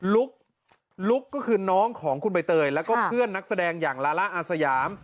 ลุ๊กก็คือน้องของคุณใบเตยแล้วก็เพื่อนนักแสดงอย่างลาล่าอาสยาม